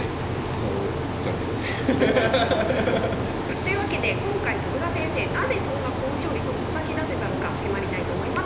そうというわけで今回徳田先生なぜそんな高勝率をたたき出せたのか迫りたいと思います。